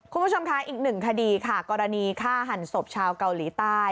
คุณผู้ชมค่ะอีกหนึ่งคดีค่ะกรณีฆ่าหันศพชาวเกาหลีใต้